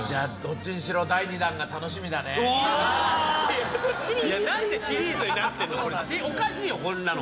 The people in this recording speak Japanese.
いや何でシリーズになってんの？